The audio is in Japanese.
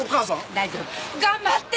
大丈夫。頑張って！